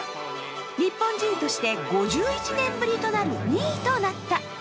日本人として５１年ぶりとなる２位となった。